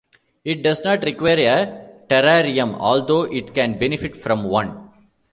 It does not require a terrarium although it can benefit from one.